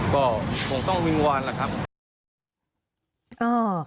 ก็คงต้องวิงวานแหละครับ